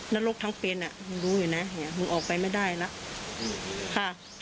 นรกทั้งเป็นอ่ะมึงรู้อยู่นะมึงออกไปไม่ได้แล้วค่ะ